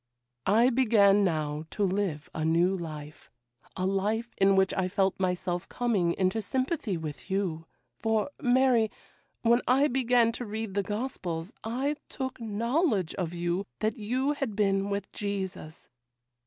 'I began now to live a new life, a life in which I felt myself coming into sympathy with you; for, Mary, when I began to read the gospels I took knowledge of you, that you had been with Jesus.